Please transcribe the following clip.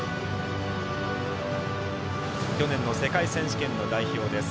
去年の世界選手権の代表です。